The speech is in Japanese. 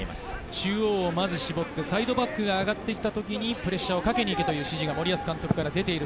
中央を絞ってサイドバックが上がってきた時にプレッシャーをかけていけという指示です。